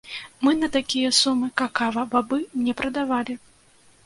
Мы на такія сумы какава-бабы не прадавалі!